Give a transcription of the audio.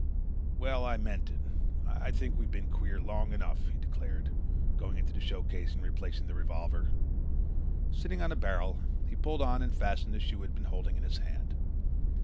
"Well, I meant it. I think we've been queer long enough," he declared, going to the showcase and replacing the revolver. Sitting on a barrel he pulled on and fastened the shoe he had been holding in his hand.